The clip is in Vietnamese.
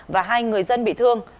và hai người dân bị thương